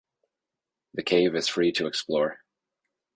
The cave is free to explore.